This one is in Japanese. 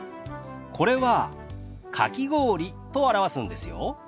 これは「かき氷」と表すんですよ。